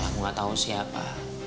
aku gak tau siapa